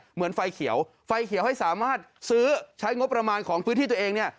เหมือนไฟเขียวไฟเขียวให้สามารถซื้อใช้งบประมาณของพื้นที่ตัวเองเนี่ย